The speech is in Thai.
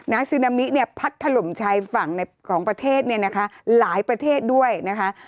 น้าซีนามิพัดถล่มชายฝั่งของประเทศหลายประเทศด้วยนะคะ